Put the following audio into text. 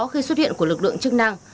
khi xuất hiện của lực lượng chức năng